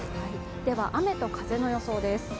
雨と風の予想です。